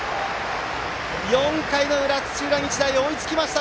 ４回の裏、土浦日大追いつきました！